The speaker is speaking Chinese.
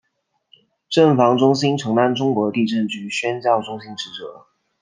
震防中心承担中国地震局宣教中心职责。